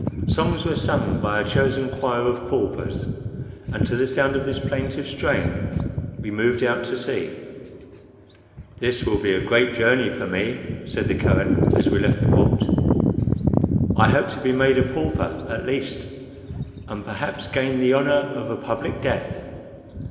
Songs were sung by a chosen choir of paupers, and to the sound of this plaintive strain we moved out to sea. "This will be a great journey for me," said the Kohen, as we left the port. "I hope to be made a pauper at least, and perhaps gain the honor of a public death.